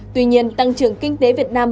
tuy nhiên tăng trưởng kinh tế việt nam